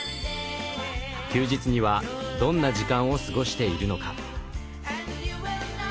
休日にはどんな時間を過ごしているのか。